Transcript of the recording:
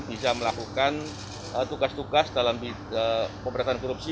bisa melakukan tugas tugas dalam pemberantasan korupsi